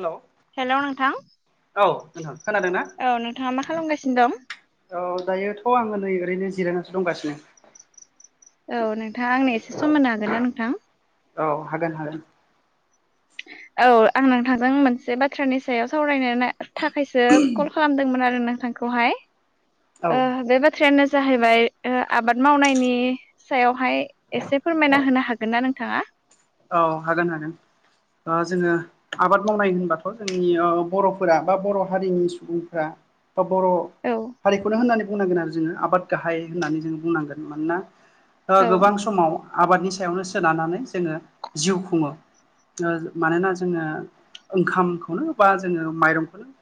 हेल' hello नोंथां खोनादों ना? औ नोंथाङा मा खालामगासिनो दं औ दायोथ' आङो नै ओरैनो जिरायनानैसो दंगासिनो औ नोंथाङा आंनो एसे सम होनो हागोनना नोंथां औ हागोन हागोन औ आं नोंथांजों मोनसे बाथ्रानि सायाव सावरायनो थाखायसो कल खालामदोंमोन आरो औ नोंथांखौहाय ट्रेनआ जाहैबाय आबाद मावनायनि सायावहाय एसे फोरमायना होनो हागोनना नोंथाङा औ हागोन हागोन जोङो आबाद मावनाय होनबाथ' जोंनि बर'फोरा बा बर' हारिनि सुबुंफोरा बा बर' औ हारिखौनो होननानै बुंनांगोन आरो जोङो आबाद गाहाय होननानै जों बुंनांगोन मानोना औ गोबां समाव आबादनि सायावनो सोनारनानै जोङो जिउ खुङो मानोना जोङो ओंखामखौनो बा जोङो माइरंखौनो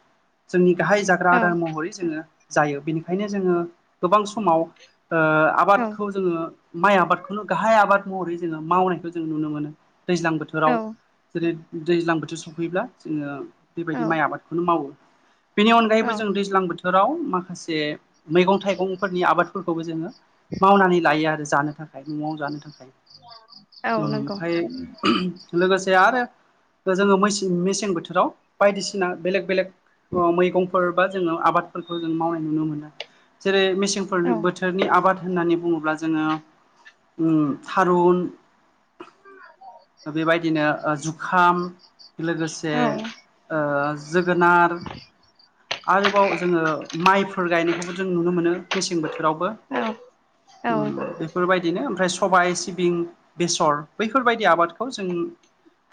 जोंनि गाहाय जाग्रा औ आदार महरै जोङो जायो बेनिखायनो जोङो गोबां समाव औ आबादखौ जोङो माइ आबादखौनो गाहाय आबाद महरै जोङो मावनायखौ जों नुनो मोनो दैज्लां बोथोराव औ जेरै दैज्लां बोथोर सफैयोब्ला जोङो औ बेबायदि माइ आबादखौनो मावो बेनि औ अनगायैबो जों दैज्लां बोथोराव माखासे मैगं थाइगंफोरनि आबाद फोरखौबो जोङो मावनानै लायो आरो जानो थाखाय न'आव जानो थाखाय औ नंगौ ओमफ्राय लोगोसे आरो जोङो मेसें बोथोराव बायदिसिना बेलेग बेलेग मैगंफोर बा जोङो आबादफोरखौ जों मावनाय नुनो मोनो जेरै मेसें औ बोथोरनि आबाद होननानै बुङोब्ला जोङो थारुन बेबायदिनो जुखाम लोगोसे औ जोगोनार आरोबाव जोङो माइफोर गायनायखौबो जों नुनो मोनो मेसें बोथोरावबो औ औ ओ बेफोरबायदिनो ओमफ्राय सबाय सिबिं बेसर बैफोरबायदि आबादखौ जों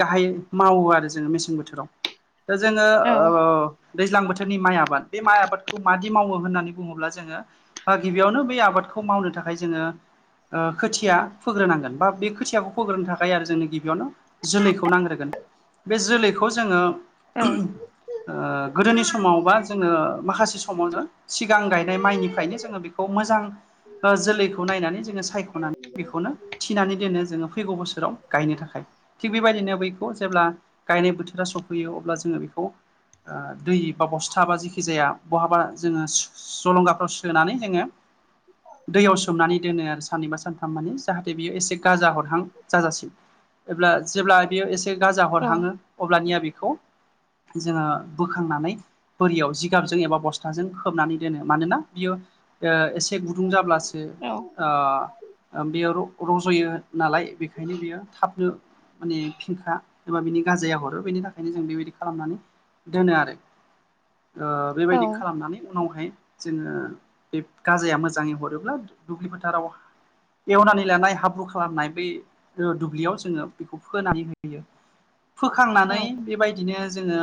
गाहाय मावो आरो जोङो मेसें बोथोराव। दा जोङो औ ओ दैज्लां बोथोरनि माइ आबाद बे माइ आबादखौ मादि मावो होननानै बुङोब्ला जोङो ओ गिबियावनो बे आबादखौ मावनो थाखाय जोङो ओ खोथिया फोग्रोनांगोन बा बे खोथियाखौ फोग्रोनो थाखाय आरो जोंनो गिबियावनो जोलैखौ नांग्रोगोन बे जोलैखौ जोङो औ ओ गोदोनि समाव बा जोङो माखासे समावनो सिगां गायनाय माइनिफ्रायनो जोङो बेखौ मोजां जोलैखौ नायनानै जोङो सायख'नानै बेखौनो थिनानै दोनो जोङो फैगौ बोसोराव गायनो थाखाय थिग बेबायदिनो बैखौ जेब्ला गायनाय बोथोरा सफैयो अब्ला जोङो बेखौ ओ दै बा बस्था बा जिखि जाया बहाबा जोङो जलंगाफ्राव सोनानै जोङो दैयाव सोमनानै दोनो आरो सानैनबा सानथाम माने जाहाथे बियो एसे गाजा हरहां जाजासिम अब्ला जेब्ला बेयो एसे गाजा हरहाङो अब्लानिया बेखौ जोङो बोखांनानै बोरियाव जिगाबजों एबा बस्थाजों खोबनानै दोनो मानोना बियो ओ एसे गुदुं जाब्लासो औ बेयो ओ ओ बेयो र-रज'यो नालाय बेखायनो बेयो थाबनो माने फिंखा एबा बिनि गाजाया हरो बेनि थाखायनो जों बेबायदि खालामनानै दोनो आरो ओ औ बेबायदि खालामनानै उनावहाय जोङो बे गाजाया मोजाङै हरोब्ला दुब्लि फोथाराव एवनानै लानाय हाब्रु खालामनाय बे ओ दुब्लियाव जोङो बेखौ फोनानै होयो फोखांनानै बेबाय दिनो जोङो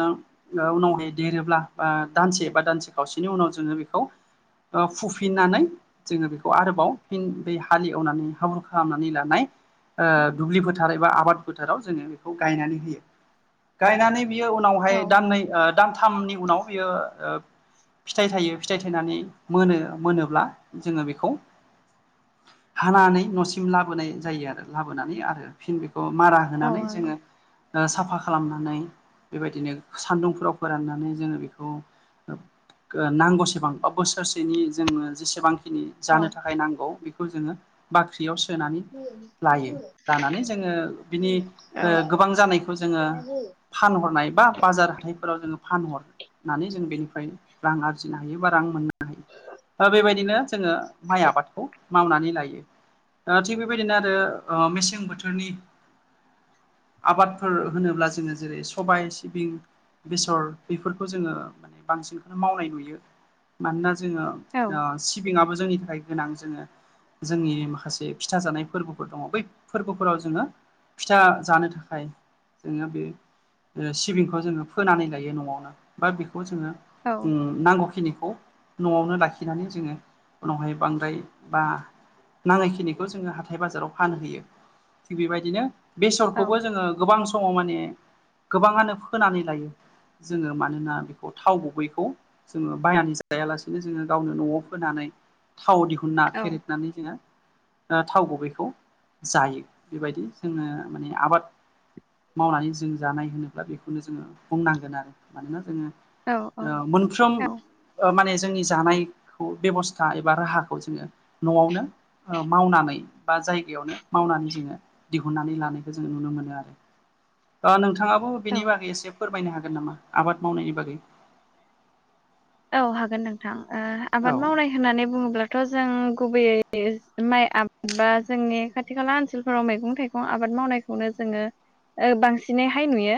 ओ उनावहाय देरोब्ला बा दानसे बा दानसे खावसेनि उनाव जोङो बेखौ ओ फुफिननानै जोङो बेखौ आरोबाव फिन बे हालेवनानै हाब्रु खालामनानै लानाय ओ दुब्लि फोथार एबा आबाद फोथाराव जोङो बेखौ गायनानै होयो गायनानै बियो औ उनावहाय दाननै ओ दानथामनि उनाव बियो ओ फिथाइ थायो फिथाइ थायनानै मोनो मोनोब्ला जोङो बेखौ हानानै न'सिम लाबोनाय जायो आरो लाबोनानै आरो फिन बेखौ मारा होनानै नंगौ जोङो ओ साफा खालामनानै बेबायदिनो सान्दुंफोराव फोराननानै जोङो बेखौ ओ नांगौसेबां बा बोसोरसेनि जोङो जेसेबांखिनि औ जानो थाखाय नांगौ बेखौ जोङो बाख्रियाव सोनानै लायो लानानै जोङो बिनि औ ओ गोबां जानायखौ जोङो फानहरनाय बा बाजार हाथायफोराव जोङो फानहर होननानै जों बेनिफ्राय रां आरजिनो हायो बा रां मोननो हायो बा बेबायदिनो जोङो माइ आबादखौ मावनानै लायो ओ थिग बेबायदिनो आरो ओ मेसें बोथोरनि आबादफोर होनोब्ला जोङो जेरै सबाय सिबिं बेसर बेफोरखौ जोङो बांसिनखौनो मावनाय नुयो मानोना जोङो औ ओ सिबिंआबो जोंनि थाखाय गोनां जोङो जोंनि माखासे फिथा जानाय फोर्बो फोर दङ बै फोर्बोफोराव जोङो फिथा जानो थाखाय जोङो बे ओ सिबिंखौ जोङो फोनानै लायो न'आवनो बा बेखौ जोङो औ उम नांगौखिनिखौ न'आवनो लाखिनानै जोङो उनावहाय बांद्राय बा नाङैखिनिखौ जोङो हाथाय बाजाराव फानहैयो थिग बेबायदिनो औ बेसरखौबो जोङो गोबां समाव माने गोबाङानो फोनानै लायो। जोङो मानोना बेखौ थाव गुबैखौ जोङो बायनानै जायालासिनो जोङो गावनो न'आव फोनानै थाव दिहुनना औ फेरेदनानै जोङो ओ थाव ओ गुबैखौ जायो बेबायदि जोङो माने आबाद मावनानै जों जानाय होनोब्ला बेखौनो जोङो बुंनांगोन आरो मानोना जोङो औ ओ मोनफ्रोम। औ ओ माने जोंनि जानायखौ बेब'स्था एबा राहाखौ जोङो। न'आवनो मावनानै बा जाय। यावनो मावनानै जोङो दिहुननानै लानायखौ जोङो नुनो मोनो आरो नोंथांङाबो। औ बिनि बागै एसे फोरमायनो हागोन नामा आबाद मावनायनि बागै। औ हागोन नोंथां ओ औ आबाद मावनाय। होननानै बुङोब्लाथ' जों गुबैयै माइ आबाद बा जोंनि खाथि खाला ओनसोलफोराव मैगं थाइ गं आबाद मावनायखौनो जोङो ओ बांसिनैहाय नुयो।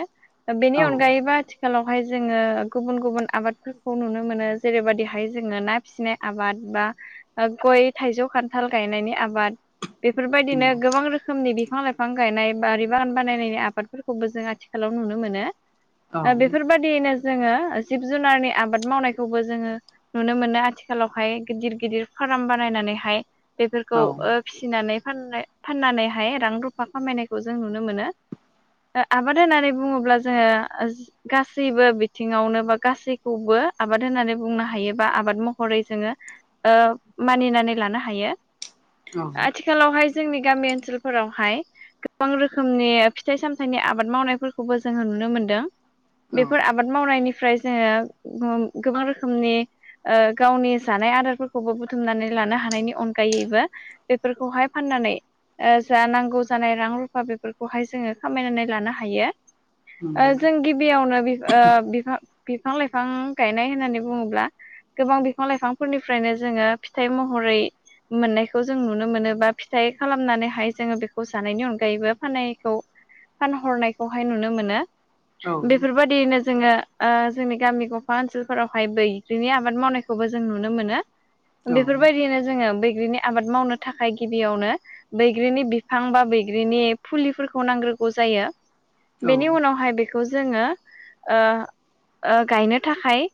बेनि औ अनगायैबो आथिखालावहाय जोङो गुबुन गुबुन आबादफोर खौ नुनो मोनो जेरैबादिहाय जोङो ना फिसिनाय आबाद बा ओ गय थाइजौ खान्थाल गायनायनि आबाद बेफोरबायदिनो नंगौ गोबां रोखो खोमनि बिफां लाइफां गायनाय बारि बागान बानायनायनि आबादफोरखौबो जों आथिखालाव नुनो मोनो। औ ओ बेफोरबायदियैनो जोङो जिब जुनारनि आबाद। मावनायखौबो जोङो नुनो मोनो आथिखालावहाय गिदिर गिदिर फार्म बानायनानैहाय। बेफोरखौ औ फिसिनानै फान फाननानैहाय रां रुफा खामायनायखौ जों नुनो मोनो। आबाद होननानै बुङोब्ला जोङो। गासैबो बिथिङावनो बा गासैखौबो। आबाद होननानै बुंनो हायोबा आबाद महरै जोङो। ओ मानिनानै लानो हायो औ आथि थिखालावहाय जोंनि गामि ओनसोलफोरावहाय। गोबां रोखोमनि फिथाइ सामथाइनि आबाद मावनायफोरखौबो जोङो नुनो मोनदों। औ बेफोर आबाद मावनायनिफ्राय जोङो गोबां रोखोमनि। ओ गावनि जानाय आदारफोरखौबो बुथुमनानै लानो हानायनि अनगायैबो। बेफोरखौहाय फाननानै। ओ जा नांगौ जानाय रां रुफा बेफोरखौहाय जोङो खामायनानै लानो हायो। ओ नंगौ जों गिबियावनो बि ओ बिफां बिफां लाइफां। गायनाय होननानै बुङोब्ला गोबां बिफां लाइफांफोरनिफ्रायनो जोङो फिथाइ महरै। मोननायखौ जों नुनो मोनो बा फिथाइ खालामनानैहाय जोङो बेखौ जानायनि अनगायैबो फानखौ। फानहरनायखौहाय नुनो मोनो औ बेफोरबायदियैनो जोङो ओ जोंनि गामि ग फा ओनसोलफोरावहाय बैग्रिनि आबाद मावनायखौबो जों नुनो मोनो। औ बेफोरबायदियनो जोङो बैग्रिनि आबाद मावनो थाखाय गिबियावनो। बैग्रिनि बिफां बा बैग्रिनि फुलिफोरखौ नांग्रोगौ जायो। नंगौ औ बेनि उनावहाय बेखौ जोङो ओ ओ गायनो। थाखाय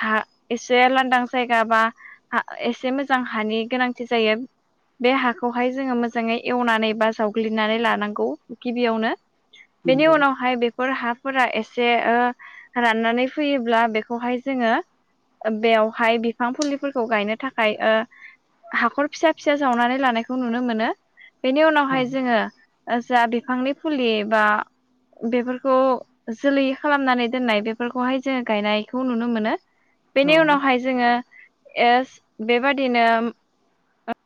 हा एसे लांदां जायगा बा। एसे मोजां हानि गोनांथि जायो। बे हाखौहाय जोङो मोजाङै एवनानै बा जावग्लिनानै लानांगौ गिबियावनो। औ बेनि उनावहाय बेफोर हाफोरा एसे ओ राननानै फैयोब्ला। बेखौहाय जोङो बेवहाय बिफां फुलिफोरखौ गायनो थाखाय ओ। हाखर फिसा फिसा जावनानै लानायखौ नुनो मोनो बेनि उनावहाय जोङो। जा बिफांनि फुलि बा। बेफोरखौ जोलै खालामनानै दोननाय बेफोरखौहाय जोङो गायनाय। खौ नुनो मोनो बेनि उनावहाय जोङो एस बेबादिनो।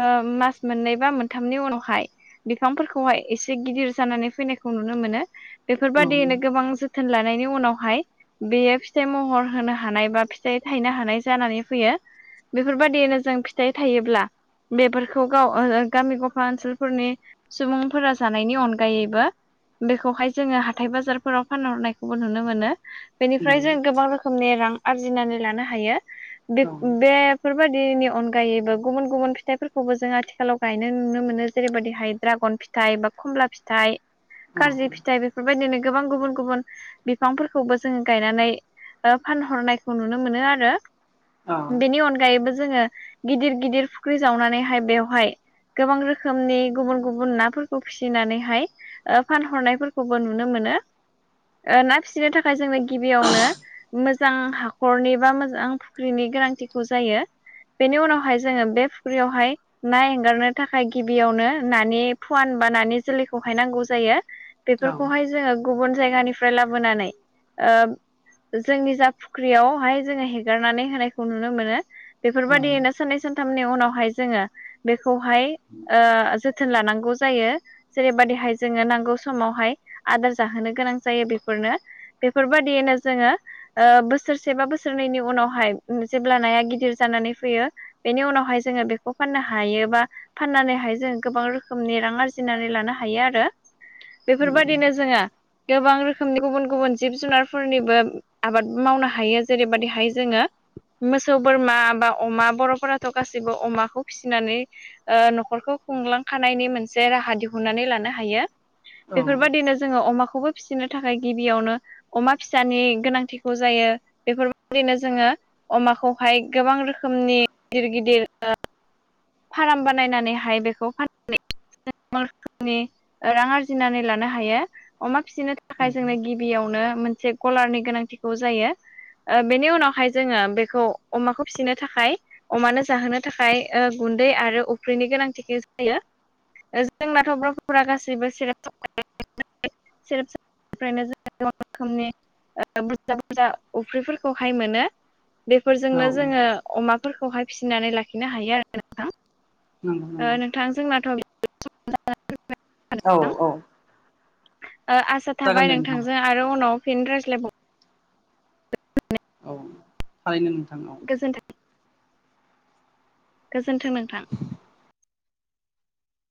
ओ मास मोननै बा मोनथामनि उनावहाय। बिफांफोरखौहाय एसे गिदिर जानानै फैनायखौ नुनो मोनो। बेफोर नंगौ बायदियैनो गोबां जोथोन लानायनि उनावहाय बेयो फिथाइ महर। होनो हानाय बा फिथाइ थाइनो हानाय जानानै फैयो बेफोरबायदियैनो जों फिथाइ थायोब्ला। बेफोरखौ गाव गामि गफा ओनसोलफोरनि। सुबुंफोरा जानायनि अनगायैबो, बेखौहाय जोङो हाथाय बाजारफोराव फानहरनायखौबो नुनो मोनो, बेनिफ्राय जों गोबां रोखोमनि रां आरजिनानै लानो हायो बेब औ बेब, बेफोरबायदिनि अनगायैबो गुबुन गुबुन फिथाइफोरखौबो जों आथिखालाव गायनो नुनो मोनो जेरैबायदिहाय ड्रागन फिथाइ थाइ बा कमला फिथाइ कारजि औ फिथाइ बेफोरबायदिनो गोबां गुबुन गुबुन बिफांफोरखौबो जोङो गायनानै फानहरनायखौ नुनो मोनो आरो औ बेनि अनगायैबो जोङो गिदिर गिदिर फुख्रि जावनानैहाय बेवहाय गोबां रोखोमनि गुबुन गुबुन नाफोरखौ फिसिनानैहाय फानहरनायफोरखौबो नुनो मोनो ना फिसिनो थाखाय जोंनो गिबियावनो मोजां हाखरनि बा मोजां फुख्रिनि गोनांथिखौ जायो। बेनि उनावहाय जोङो बे फख्रियावहाय, ना एंगारनो थाखाय गिबियावनो नानि फुवान बा नानि जोलैखौहाय नांगौ जायो। बेफोरखौहाय जोङो गुबुन जायगानिफ्राय लाबोनानै ओ जोंनि जा फुख्रियावहाय जोङो हेगारनानै होनायखौ नुनो मोनो, औ बेफोरबादियैनो साननै सानथामनि उनावहाय जोङो बेखौहाय ओ जोथोन लानांगौ जायो। जेरैबायदिहाय जोङो नांगौ समावहाय आदार जाहोनो गोनां जायो बेफोरनो। बेफोरबायाददियैनो जोङो ओ बोसोरसे बा बोसोरनैनि उनावहाय जेब्ला नाया गिदिर जानानै फैयो बेनि उनावहाय जोङो बेखौ फाननो हायो बा फाननानैहाय जों गोबां रोखोमनि रां आरजिनानै लानो हायो आरो। नंगौ बेफोरबायदिनो जोङो गोबां रोखोमनि गुबुन गुबुन जिब जुनारफोरनिबो आबादबो मावनो हायो जेरैबाददिहाय जोङो मोसौ बोरमा बा अमा बर'फोराथ' गासैबो अमाखौ फिसिनानै ओ न'खरखौ खुंलांखानायनि मोनसे राहा दिहुननानै लानो हायो। औ बेफोरबायदिनो जोङो अमाखौबो फिसिनो थाखाय गिबियावनो अमा फिसानि गोनां थिखौ जायो बेफोरबायदिनो जोङो अमाखौहाय गोबां रोखोमनि गिदिर गिदिर फार्म बानायनानैहाय बेखौ फाननानै [unintelligible] रां आरजिनानै लानो हायो अमा फिसिनो थाखाय जोंनो गि बियावनो मोनसे गलारनि गोनांथिखौ जायो। ओ बेनि उनावहाय जोङो बेखौ अमाखौ फिसिनो थाखाय अमानो जाहोनो थाखाय ओ गुन्दै आरो अफ्रिनि गोनांथिखौ जायो। जोंनाथ' बर'फोरा गासैबो सेरेब [unintelligible] [unintelligible] ओ बुरजा बुरजा अफ्रिफोरखौहाय मोनो। बेफोरजोंनो जोङो अमाफोरखौहाय फिसिनानै लाखिनो हायो आरो नंगौ ओ नंगौ नोंथां [unintelligible] औ औ ओ आसा जागोन थाबाय दे नोंथां नोंथांजों आरो उनाव फिन रायज्लायबाव औ थारैनो नोंथां औ गोजोनथों गोजोन्थों नोंथां